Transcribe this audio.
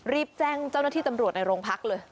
รีบแจ้งเจ้าหน้าที่ตำรวจในโรงพักเลย